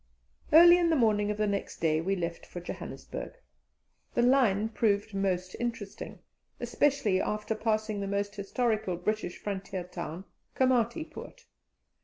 Early in the morning of the next day we left for Johannesburg. The line proved most interesting, especially after passing the almost historical British frontier town, Koomati Poort.